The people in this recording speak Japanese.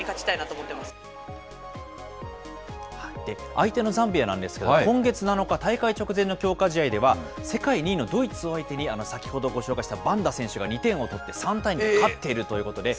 相手のザンビアなんですが、今月７日、大会直前の強化試合では、世界２位のドイツを相手に、先ほどご紹介したバンダ選手が２点を取って、３対２で勝っているということです。